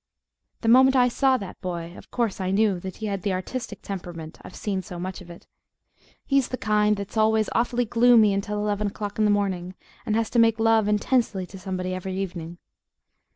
The moment I saw that boy, of course I knew that he had the artistic temperament; I've seen so much of it. He's the kind that's always awfully gloomy until eleven o'clock in the morning, and has to make love intensely to somebody every evening.